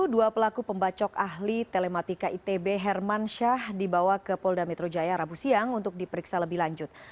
dua pelaku pembacok ahli telematika itb herman syah dibawa ke polda metro jaya rabu siang untuk diperiksa lebih lanjut